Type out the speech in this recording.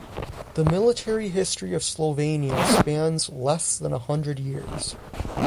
The military history of Slovenia spans less than a hundred years.